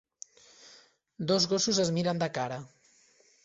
Dos gossos es miren de cara